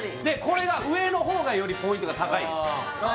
これが上の方がよりポイントが高いですあ